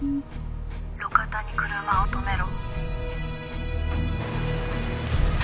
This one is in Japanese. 「路肩に車を止めろ」